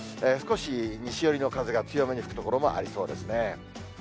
少し西寄りの風が強めに吹く所もありそうですね。